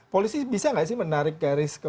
polisi bisa nggak sih menarik caris ke